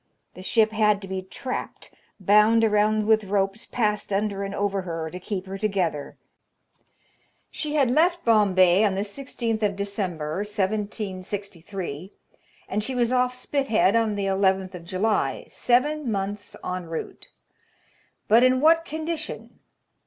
The ship had to be " trapped '*— bound around with ropes passed under and over her — to keep her together I She had left Bombay on the 16th of December, 1763 ; and she was off Spithead on the 11th of July — seven months en route! But in what condition?